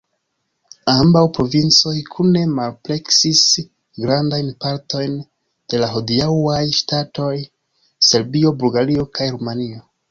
Ambaŭ provincoj kune ampleksis grandajn partojn de la hodiaŭaj ŝtatoj Serbio, Bulgario kaj Rumanio.